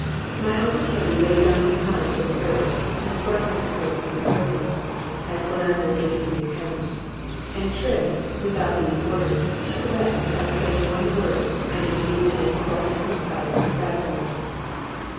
My uncle Toby laid down his knife and fork, and thrust his plate from before him, as the landlord gave him the account; and Trim, without being ordered, took away, without saying one word, and in a few minutes after brought him his pipe and tobacco.